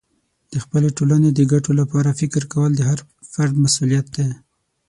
د خپلې ټولنې د ګټو لپاره فکر کول د هر فرد مسئولیت دی.